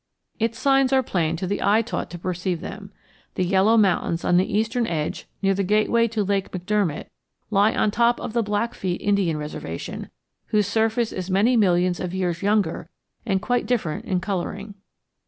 Its signs are plain to the eye taught to perceive them. The yellow mountains on the eastern edge near the gateway to Lake McDermott lie on top of the Blackfeet Indian Reservation, whose surface is many millions of years younger and quite different in coloring.